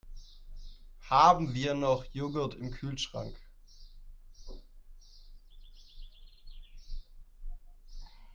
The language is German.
Haben wir noch Joghurt im Kühlschrank?